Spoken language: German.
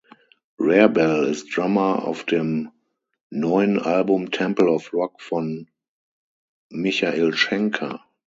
Rarebell ist Drummer auf dem neuen Album "Temple of Rock" von Michael Schenker.